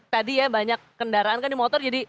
tadi ya banyak kendaraan kan di motor jadi